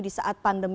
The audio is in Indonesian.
di saat pandemi